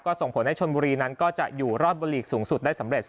ส่งผลให้ชนบุรีนั้นก็จะอยู่รอดบนหลีกสูงสุดได้สำเร็จ